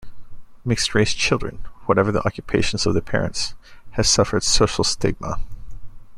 Mixed-race children, whatever the occupations of their parents, have suffered social stigma.